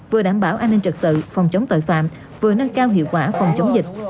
vừa đảm bảo an ninh trật tự phòng chống tội phạm vừa nâng cao hiệu quả phòng chống dịch